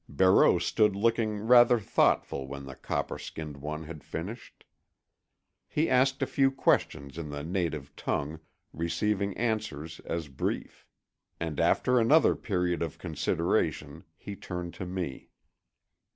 Barreau stood looking rather thoughtful when the copper skinned one had finished. He asked a few questions in the native tongue, receiving answers as brief. And after another period of consideration he turned to me.